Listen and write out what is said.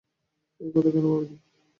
এ কথা কেন ভাবি নি?